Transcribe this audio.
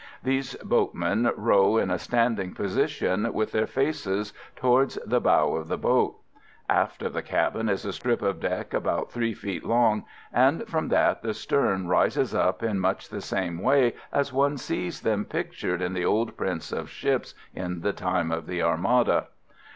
These boatmen row in a standing position, with their faces towards the bow of the boat. Aft of the cabin is a strip of deck about 3 feet long, and from that the stern rises up in much the same way as one sees them pictured in the old prints of ships in the time of the Armada.